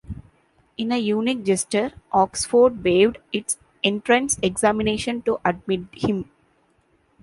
In a unique gesture, Oxford waived its entrance examination to admit him.